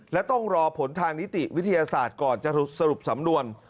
และต้องรอผลทางนิติวิทยาศาสตร์ก่อนจะสรุปสำนวน